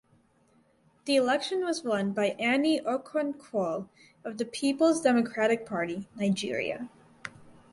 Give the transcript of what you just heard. The election was won by Annie Okonkwo of the Peoples Democratic Party (Nigeria).